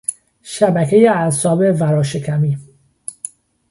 شبکهی اعصاب ورا شکمی